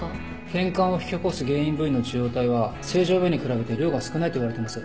てんかんを引き起こす原因部位の受容体は正常部位に比べて量が少ないといわれています。